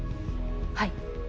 はい。